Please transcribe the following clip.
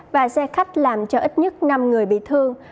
và xe khách làm cho ít nhất năm người bị thương